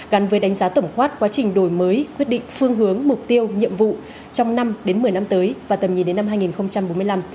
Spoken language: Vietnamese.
gắn với đánh giá tổng quát quá trình đổi mới quyết định phương hướng mục tiêu nhiệm vụ trong năm đến một mươi năm tới và tầm nhìn đến năm hai nghìn bốn mươi năm